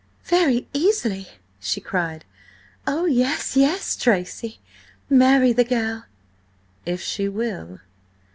"Very easily!" she cried. "Oh, yes, yes, Tracy! Marry the girl!" "If she will."